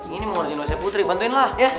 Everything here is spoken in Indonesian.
ini mau ngerjain wc putri bantuin lah